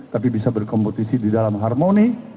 tapi bisa berkompetisi di dalam harmoni